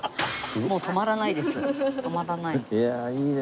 もう止まらないです。